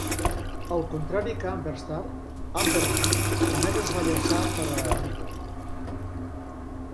Al contrari que Amberstar, Ambermoon només es va llançar per a Amiga.